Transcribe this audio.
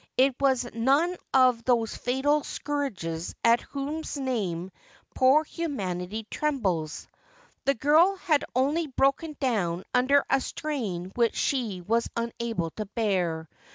It was none of those fatal scourges at whose name poor humanity trembles. The girl had only broken down under a strain which she was unable to bear.